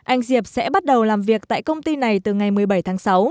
anh diệp sẽ bắt đầu làm việc tại công ty này từ ngày một mươi bảy tháng sáu